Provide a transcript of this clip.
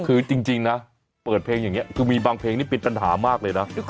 คือจริงนะเปิดเพลงอย่างนี้คือมีบางเพลงนี่เป็นปัญหามากเลยนะ